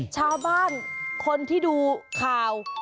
ชาวบ้านคนที่ดูข่าว